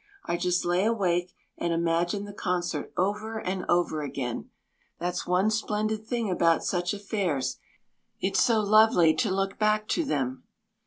I just lay awake and imagined the concert over and over again. That's one splendid thing about such affairs it's so lovely to look back to them."